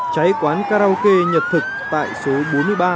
cháy quán karaoke nhật thực tại số bốn mươi ba